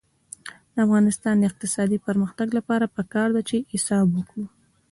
د افغانستان د اقتصادي پرمختګ لپاره پکار ده چې حساب وکړو.